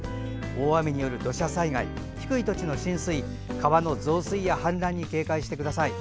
大雨による土砂災害低い土地の浸水川の増水や氾濫に警戒してください。